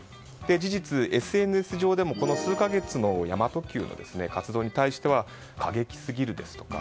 事実、ＳＮＳ上でもこの数か月の神真都Ｑの活動に対しては過激すぎるですとか